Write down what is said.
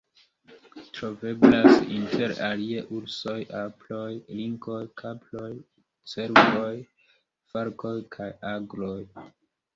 Troveblas inter alie ursoj, aproj, linkoj, kaproj, cervoj, falkoj kaj agloj.